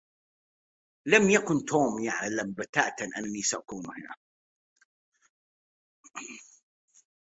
لم يكن توم يعلم بتاتا أنّي سأكون هنا.